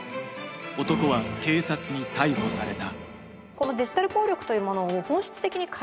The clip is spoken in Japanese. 男は警察に逮捕された。